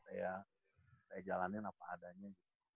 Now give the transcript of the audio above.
saya jalanin apa adanya